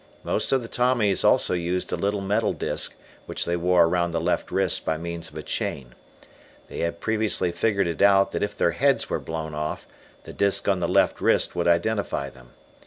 Most of the Tommies also used a little metal disk which they wore around the left wrist by means of a chain. They had previously figured it out that if their heads were blown off, the disk on the left wrist would identify them.